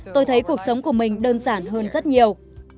tôi thấy cuộc sống của mình đơn giản hơn rất nhiều